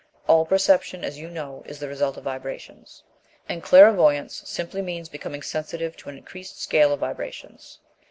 "All perception, as you know, is the result of vibrations; and clairvoyance simply means becoming sensitive to an increased scale of vibrations.